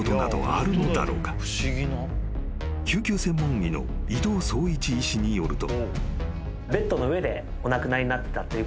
［救急専門医の伊藤壮一医師によると］